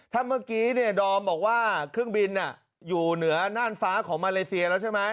ถ้าเมื่อกี้ดอมบอกว่าเครื่องบินอยู่เหนือน่านฟ้าของมาเลเซียแล้วใช่ไหม